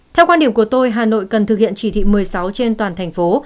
theo quan điểm của tôi hà nội cần thực hiện chỉ thị một mươi sáu trên toàn thành phố